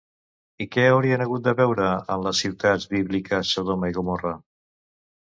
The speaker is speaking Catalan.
I què haurien hagut de veure en les ciutats bíbliques Sodoma i Gomorra?